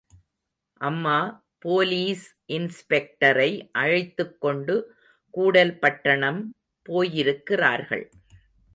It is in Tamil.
அம்மா போலீஸ் இன்ஸ்பெக்டரை அழைத்துக்கொண்டு கூடல் பட்டணம் போயிருக்கிறார்கள்.